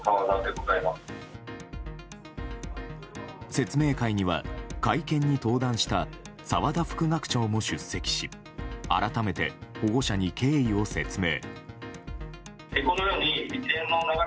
説明会には、会見に登壇した澤田副学長も出席し改めて保護者に経緯を説明。